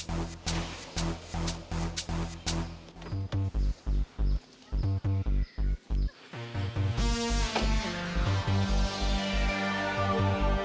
ayo kita jalan dulu